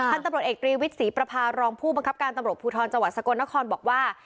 ตำรวจเอกตรีวิทย์ศรีประพารองผู้บังคับการตำรวจภูทรจังหวัดสกลนครบอกว่า